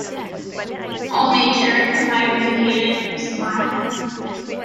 All nature, as I have indicated, was smiling.